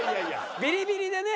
ビリビリでね。